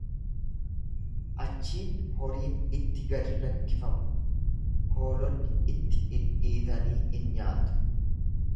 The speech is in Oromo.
Achiin horiin itti gad lakkifamu, hoolonni itti dhidhiitanii in nyaatu.